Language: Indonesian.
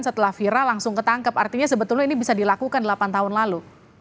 setelah viral langsung ketangkep artinya sebetulnya ini bisa dilakukan delapan tahun lalu